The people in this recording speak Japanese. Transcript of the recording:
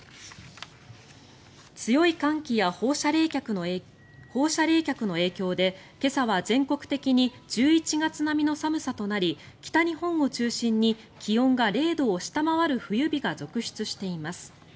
強い寒気や放射冷却の影響で今朝は全国的に１１月並みの寒さとなり北日本を中心に気温が０度を下回る冬日が続出しています。